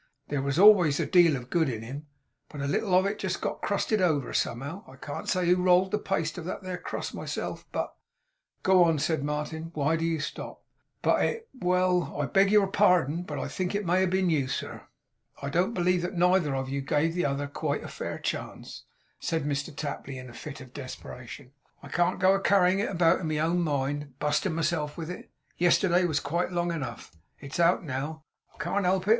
There was always a deal of good in him, but a little of it got crusted over, somehow. I can't say who rolled the paste of that 'ere crust myself, but ' 'Go on,' said Martin. 'Why do you stop?' 'But it well! I beg your pardon, but I think it may have been you, sir. Unintentional I think it may have been you. I don't believe that neither of you gave the other quite a fair chance. There! Now I've got rid on it,' said Mr Tapley in a fit of desperation: 'I can't go a carryin' it about in my own mind, bustin' myself with it; yesterday was quite long enough. It's out now. I can't help it.